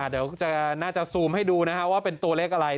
เดี๋ยวน่าจะซูมให้ดูนะครับว่าเป็นตัวเลขอะไร